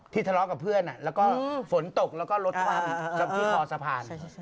ทะเลาะกับเพื่อนแล้วก็ฝนตกแล้วก็รถคว่ำกับที่คอสะพาน